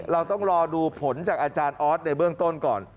เราต้องรอดูผลจากอาจารย์ออสในเบื้องต้นก่อน